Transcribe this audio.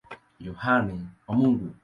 Yohane wa Mungu.